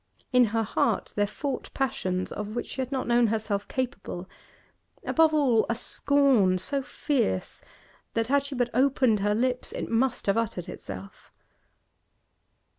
In her heart there fought passions of which she had not known herself capable; above all a scorn so fierce, that had she but opened her lips it must have uttered itself.